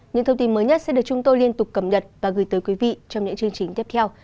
những thông tin mới nhất sẽ được chúng tôi liên tục cập nhật và gửi tới quý vị trong những chương trình tiếp theo